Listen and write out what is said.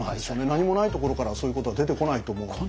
何もないところからそういうことは出てこないと思うので。